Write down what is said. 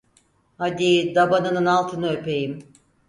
Hadi, dabanının altını öpeyim…